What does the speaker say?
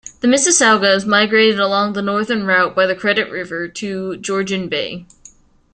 The Mississaugas migrated along a northern route by the Credit River, to Georgian Bay.